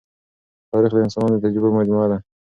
تاریخ د انسانانو د تجربو مجموعه ده.